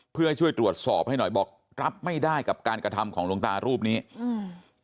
เพื่อให้ช่วยตรวจสอบให้หน่อยบอกรับไม่ได้กับการกระทำของหลวงตารูปนี้อืม